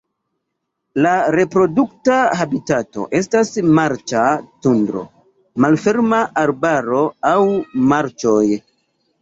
La reprodukta habitato estas marĉa tundro, malferma arbaro aŭ marĉoj.